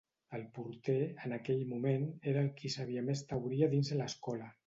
El porter, en aquell moment, era el qui sabia més Teoria dins l'Escola